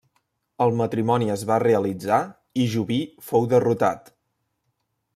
El matrimoni es va realitzar i Joví fou derrotat.